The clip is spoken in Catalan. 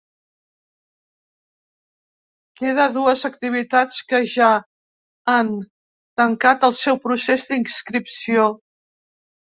Queda dues activitats que ja han tancat el seu procés d’inscripció.